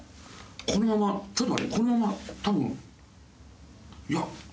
このままちょっと待ってこのまま多分。